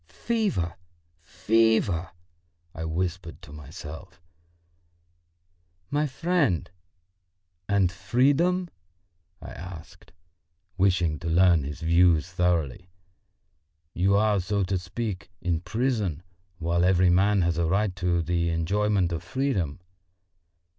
"Fever, fever!" I whispered to myself. "My friend, and freedom?" I asked, wishing to learn his views thoroughly. "You are, so to speak, in prison, while every man has a right to the enjoyment of freedom."